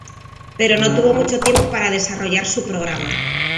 Pero no tuvo mucho tiempo para desarrollar su programa.